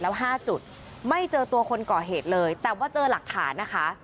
แล้ว๕จุดไม่เจอตัวคนก่อเหตุเลยแต่ว่าเจอหลักฐานนะคะ